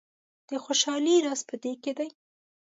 د خوشحالۍ راز په دې کې دی.